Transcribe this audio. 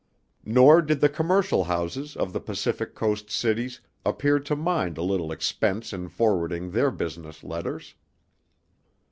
Nor did the commercial houses of the Pacific Coast cities appear to mind a little expense in forwarding their business letters.